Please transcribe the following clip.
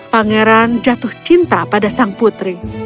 pangeran jatuh cinta pada sang putri